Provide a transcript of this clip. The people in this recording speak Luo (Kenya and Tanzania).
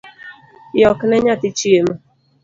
Yokne nyathi chiemo